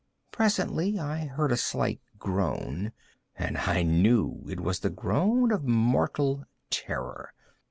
Presently I heard a slight groan, and I knew it was the groan of mortal terror.